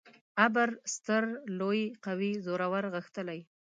ابر: ستر ، لوی ، قوي، زورور، غښتلی